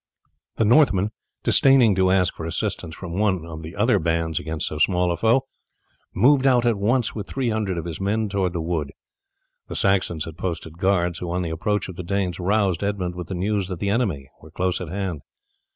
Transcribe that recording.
The Northman, disdaining to ask for assistance from one of the other bands against so small a foe, moved out at once with 300 of his men towards the wood. The Saxons had posted guards, who on the approach of the Danes roused Edmund with the news that the enemy were close at hand.